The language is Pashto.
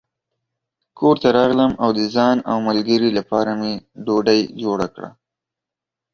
کور ته راغلم او د ځان او ملګري لپاره مې ډوډۍ جوړه کړه.